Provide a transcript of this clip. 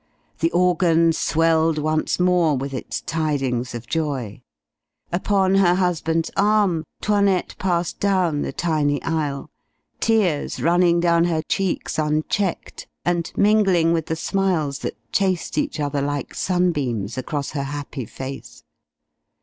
The organ swelled once more with its tidings of joy; upon her husband's arm 'Toinette passed down the tiny aisle, tears running down her cheeks unchecked, and mingling with the smiles that chased each other like sunbeams across her happy face.